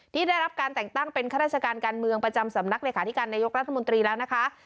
ได้รับการแต่งตั้งเป็นข้าราชการการเมืองประจำสำนักเลขาธิการนายกรัฐมนตรีแล้วนะคะ